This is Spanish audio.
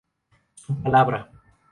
Su palabra.